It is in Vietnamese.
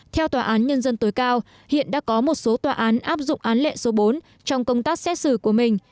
theo tòa án nhân dân tối cao hiện đã có một số tòa án áp dụng án lệ số bốn trong công tác xét xử của mình